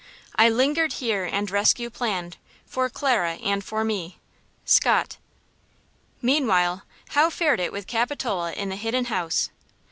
I lingered here and rescue planned For Clara and for me. –SCOTT. MEANWHILE how fared it with Capitola in the Hidden House?